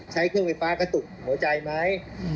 ใช้เครื่องไฟฟ้ากระตุกหัวใจไหม